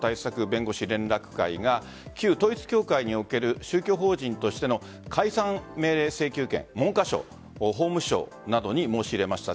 弁護士連絡会が旧統一教会における宗教法人としての解散命令請求権を文科省法務省などに申し入れました。